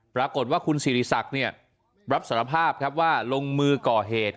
ปรากฏว่าคุณสิริศักดิ์รับสารภาพครับว่าลงมือก่อเหตุ